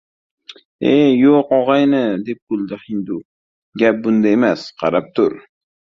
– E, yoʻq, ogʻayni, – deb kuldi hindu, – gap bunda emas. Qarab tur…